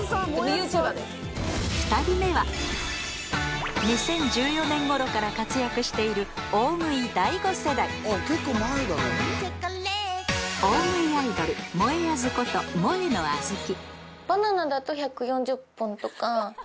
２人目は２０１４年頃から活躍している大食い第５世代大食いアイドルもえあずこともえのあずき